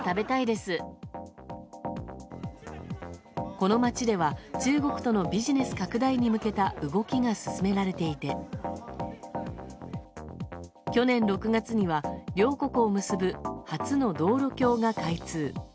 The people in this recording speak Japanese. この街では中国とのビジネス拡大に向けた動きが進められていて去年６月には両国を結ぶ初の道路橋が開通。